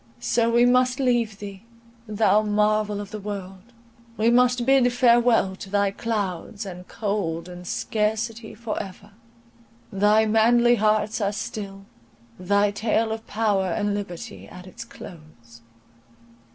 So we must leave thee, thou marvel of the world; we must bid farewell to thy clouds, and cold, and scarcity for ever! Thy manly hearts are still; thy tale of power and liberty at its close!